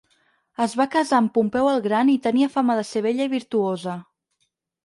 Es va casar amb Pompeu el Gran i tenia fama de ser bella i virtuosa.